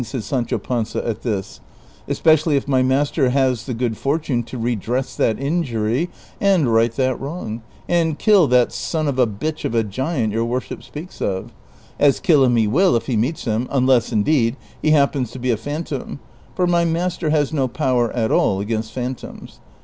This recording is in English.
" said Sancho Panza at this ;" especially if my master has the good fortune to re dress that injury, and right that wrong, and kill that son of a bitch of a giant your worship speaks of ; as kill him he will if he meets him, unless, indeed, he happens to be a phantom ; for my master has no power at all against phantoms.